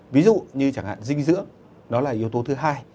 ví dụ như chẳng hạn dinh dưỡng đó là yếu tố thứ hai